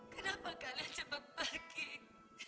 kenapa kalian cepat balik